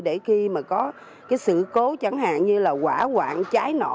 để khi mà có cái sự cố chẳng hạn như là quả quạng trái nổ